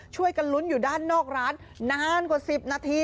ช่วยกันลุ้นอยู่ด้านนอกร้านนานกว่า๑๐นาที